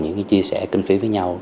những chia sẻ kinh phí với nhau